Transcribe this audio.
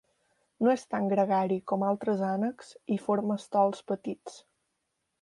No és tan gregari com altres ànecs i forma estols petits.